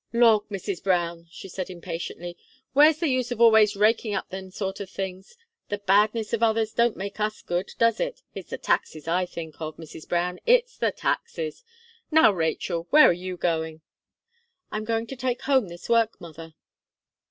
"Lawk, Mrs. Brown!" she said, impatiently, "where's the use of always raking up them sort of things! The badness of others don't make us good does it? It's the taxes I think of, Mrs. Brown; it's the taxes! Now, Rachel, where are you going?" "I am going to take home this work, mother."